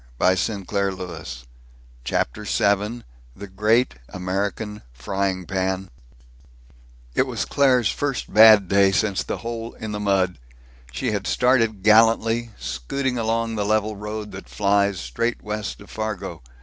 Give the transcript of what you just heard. Now tomorrow I think " CHAPTER VII THE GREAT AMERICAN FRYING PAN It was Claire's first bad day since the hole in the mud. She had started gallantly, scooting along the level road that flies straight west of Fargo.